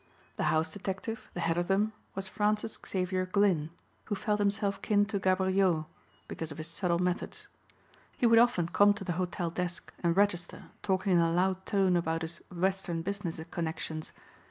The house detective, the head of them, was Francis Xavier Glynn who felt himself kin to Gaboriau because of his subtle methods. He would often come to the hotel desk and register talking in a loud tone about his Western business connections.